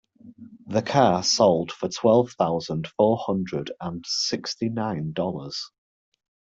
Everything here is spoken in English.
The car sold for twelve thousand four hundred and sixty nine dollars.